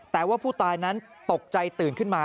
แต่ว่าผู้ตายนั้นตกใจตื่นขึ้นมา